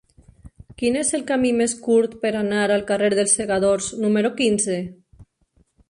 Quin és el camí més curt per anar al carrer dels Segadors número quinze?